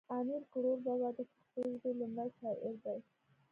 امیر کړوړ بابا د پښتو ژبی لومړی شاعر دی